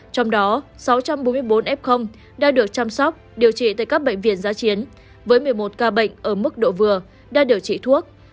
trong đó sáu trăm bốn mươi bốn f đang được chăm sóc điều trị tại các bệnh viện giá chiến với một mươi một ca bệnh ở mức độ vừa đang điều trị thuốc